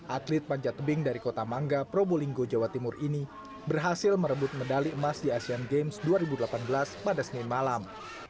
atlet panjat tebing dari kota mangga probolinggo jawa timur ini berhasil merebut medali emas di asean games dua ribu delapan belas pada senin malam